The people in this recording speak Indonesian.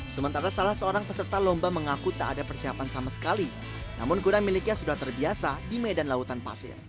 sementara salah seorang peserta lomba mengaku tak ada persiapan sama sekali namun gura miliknya sudah terbiasa di medan lautan pasir